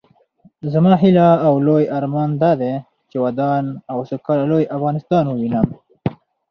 زما هيله او لوئ ارمان دادی چې ودان او سوکاله لوئ افغانستان ووينم